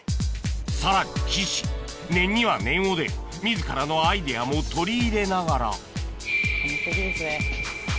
さらに岸念には念をで自らのアイデアも取り入れながら完璧ですね。